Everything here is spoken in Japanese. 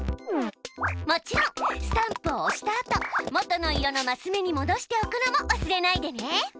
もちろんスタンプをおしたあともとの色のマス目にもどしておくのも忘れないでね。